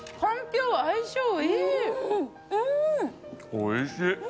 おいしい！